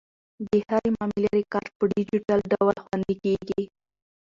د هرې معاملې ریکارډ په ډیجیټل ډول خوندي کیږي.